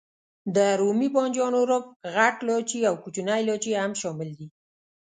د رومي بانجانو روب، غټ لاچي او کوچنی لاچي هم شامل دي.